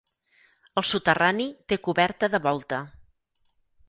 El soterrani té coberta de volta.